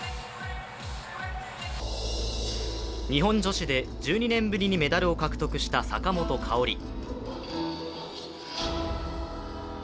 日本女子で１２年ぶりにメダルを獲得した坂本花織。